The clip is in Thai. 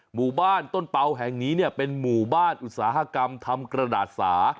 หมู่บ้านต้นเปล่าแห่งนี้เนี่ยเป็นหมู่บ้านอุตสาหกรรมทำกระดาษสา